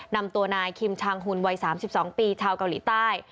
นำตัวนายคิมชางหุ่นวัย๓๒ปีชาวเกาหลีใต้